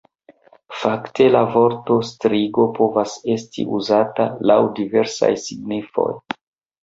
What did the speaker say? Fakte la vorto "strigo" povas esti uzata laŭ diversaj signifoj.